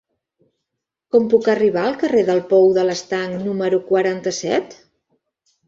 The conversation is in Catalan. Com puc arribar al carrer del Pou de l'Estanc número quaranta-set?